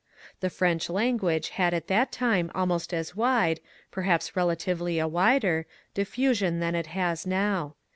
The French language had at that time almost as wide, perhaps relatively a wider, diffusion than it has now.